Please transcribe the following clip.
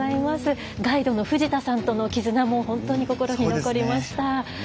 ガイドの藤田さんとの絆も、本当に心に残りました。